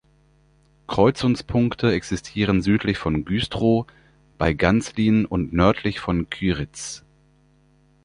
Kreuzungspunkte existieren südlich von Güstrow, bei Ganzlin und nördlich von Kyritz.